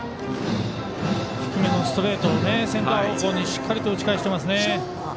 低めのストレートをセンター方向にしっかりと打ち返してますね。